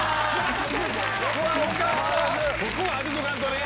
ここは当てとかんとね。